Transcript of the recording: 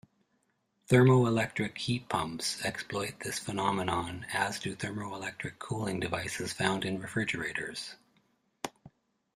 Thermoelectric heat pumps exploit this phenomenon, as do thermoelectric cooling devices found in refrigerators.